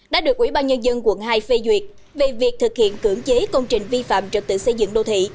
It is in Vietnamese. đã được ủy ban nhân dân quận hai phê duyệt về việc thực hiện cưỡng chế công trình vi phạm trật tự xây dựng đô thị